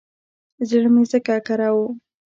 زړه مې ځکه کره و.